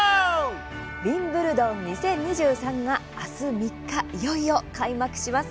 ウィンブルドン２０２３が明日３日、いよいよ開幕します。